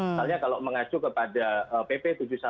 misalnya kalau mengacu kepada pp tujuh puluh satu dua ribu sembilan belas